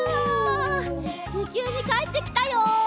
ちきゅうにかえってきたよ！